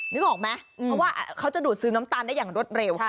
นึกออกไหมเพราะว่าเขาจะดูดซื้อน้ำตาลได้อย่างรวดเร็ว